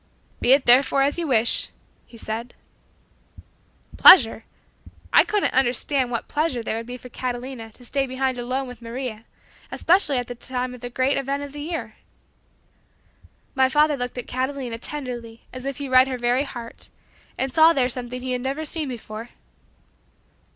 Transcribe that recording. "Be it therefore as you wish," he said. Pleasure? I couldn't understand what pleasure there would be for Catalina to stay behind alone with Maria, especially at this time of the great event of the year. My father looked at Catalina tenderly as if he read her very heart, and saw there something he had never seen before.